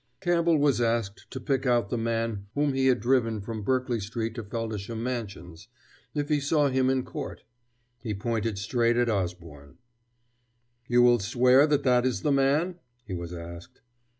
Campbell was asked to pick out the man whom he had driven from Berkeley Street to Feldisham Mansions, if he saw him in court. He pointed straight at Osborne. "You will swear that that is the man?" he was asked.